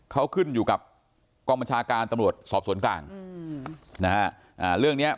เขาขึ้นอยู่กับกองบัญชาการตำรวจสอบสวนกลางอืมนะฮะอ่าเรื่องเนี้ย